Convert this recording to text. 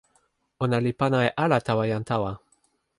ona li pana e ala tawa jan tawa.